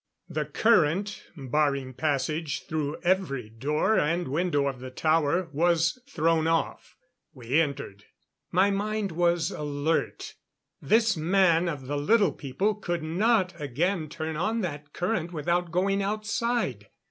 The current, barring passage through every door and window of the tower, was thrown off. We entered. My mind was alert. This man of the Little People could not again turn on that current without going outside.